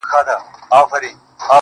تر مازي گټي، تُرت تاوان ښه دئ.